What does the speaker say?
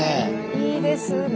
いいですね。